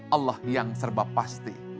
allah yang serba pasti